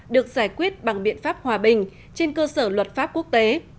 được giải quyết bằng biện pháp hòa bình trên cơ sở luật pháp quốc tế